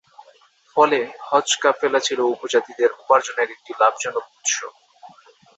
ফলে হজ কাফেলা ছিল উপজাতিদের উপার্জনের একটি লাভজনক উৎস।